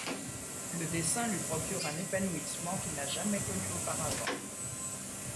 Le dessin lui procure un épanouissement qu'il n'a jamais connu auparavant.